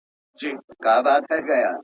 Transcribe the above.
قبرکن به دي په ګورکړي د لمر وړانګي به ځلیږي!